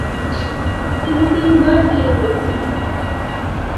তিনি তিনবার বিয়ে করেছেন।